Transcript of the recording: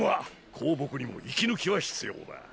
公僕にも息抜きは必要だ。